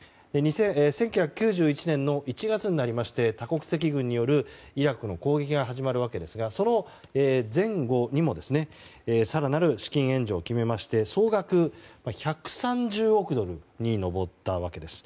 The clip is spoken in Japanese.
１９９１年の１月になりまして多国籍軍によるイラクの攻撃が始まるわけですがその前後にも更なる資金援助を決めまして総額１３０億ドルに上ったわけです。